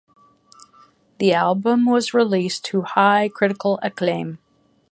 The album was released to high critical acclaim.